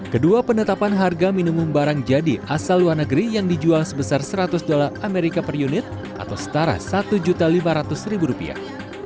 kedua penetapan harga minimum barang jadi asal luar negeri yang dijual sebesar seratus dolar amerika per unit atau setara satu lima ratus rupiah